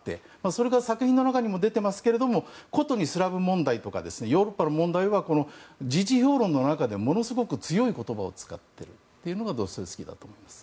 それが作品の中にも出ていますがことにスラブ問題とかヨーロッパの問題は時事評論の中でものすごく強い言葉を使っているというのがドストエフスキーだと思います。